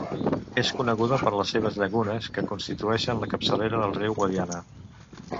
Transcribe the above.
És coneguda per les seves llacunes, que constitueixen la capçalera del riu Guadiana.